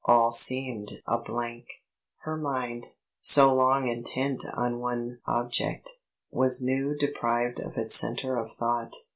All seemed a blank. Her mind, so long intent on one object, was new deprived of its centre of thought.